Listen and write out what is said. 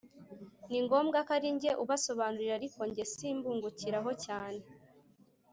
ni ngombwa ko ari nge ubasobanurira ariko nge simbungukiraho cyane